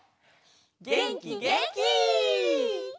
げんきげんき！